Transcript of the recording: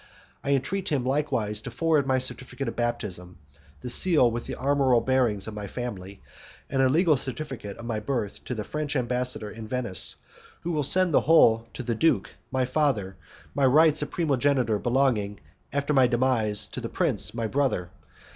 I entreat him likewise to forward my certificate of baptism, the seal with the armorial bearings of my family, and a legal certificate of my birth to the French ambassador in Venice, who will send the whole to the duke, my father, my rights of primogeniture belonging, after my demise, to the prince, my brother.